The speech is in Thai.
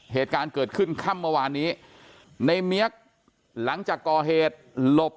เหตุการณ์เกิดขึ้นค่ำเมื่อวานนี้ในเมียกหลังจากก่อเหตุหลบ